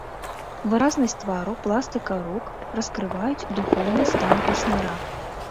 Выразнасць твару, пластыка рук раскрываюць духоўны стан песняра.